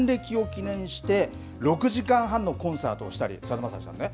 還暦を記念して６時間半のコンサートをしたりさだまさしさん